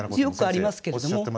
よくありますけれども。